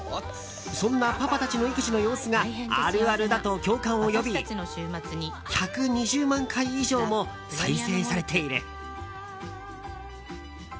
そんなパパたちの育児の様子があるあるだと共感を呼び１２０万回以上も再生されている。